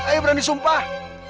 ayah berani sumpah